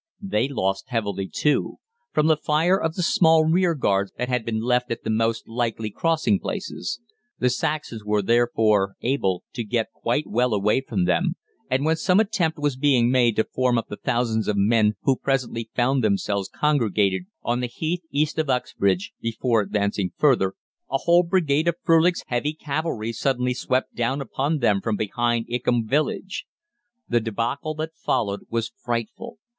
"They lost heavily, too, from the fire of the small rearguards that had been left at the most likely crossing places. The Saxons were therefore able to get quite well away from them, and when some attempt was being made to form up the thousands of men who presently found themselves congregated on the heath east of Uxbridge, before advancing farther, a whole brigade of Frölich's heavy cavalry suddenly swept down upon them from behind Ickenham village. The débâcle that followed was frightful.